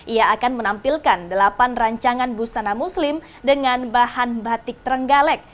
ia akan menampilkan delapan rancangan busana muslim dengan bahan batik trenggalek